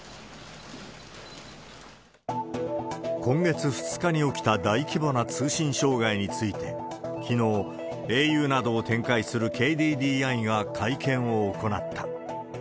今月２日に起きた大規模な通信障害について、きのう、ａｕなどを展開するＫＤＤＩが会見を行った。